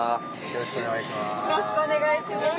よろしくお願いします。